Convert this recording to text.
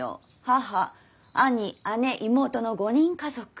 母兄姉妹の５人家族。